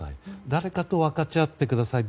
誰かと分かち合ってください